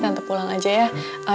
tante pulang aja ya